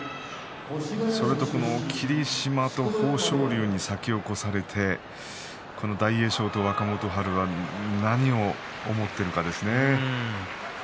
それと霧島と豊昇龍に先を越されて大栄翔と若元春が何を思っているかですね。